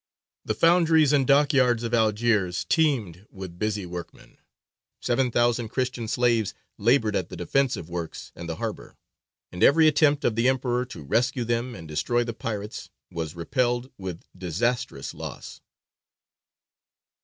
The foundries and dockyards of Algiers teemed with busy workmen. Seven thousand Christian slaves laboured at the defensive works and the harbour; and every attempt of the Emperor to rescue them and destroy the pirates was repelled with disastrous loss.